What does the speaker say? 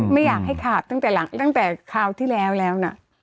ไม่อยากให้ขาดตั้งแต่คราวที่แล้วแล้วนะ